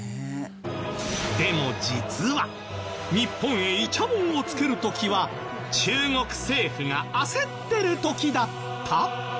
でも実は日本へイチャモンをつける時は中国政府が焦ってる時だった！？